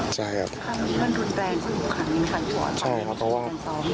ใช่ครับเพราะว่า